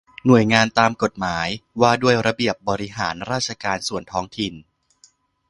หน่วยงานตามกฎหมายว่าด้วยระเบียบบริหารราชการส่วนท้องถิ่น